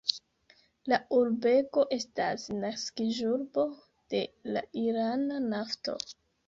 La urbego estas naskiĝurbo de la irana nafto.